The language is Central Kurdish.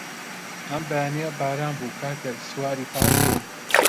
ئەم بەیانییە باران بوو کاتێک سواری پاس بووم.